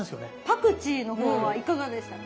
パクチーの方はいかがでしたか？